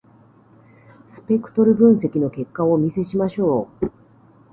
スペクトル分析の結果をお見せしましょう。